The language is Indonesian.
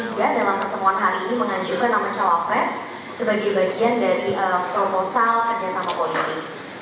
yang ketiga dalam pertemuan hari ini mengajukan sama cowapress sebagai bagian dari proposal kerjasama politik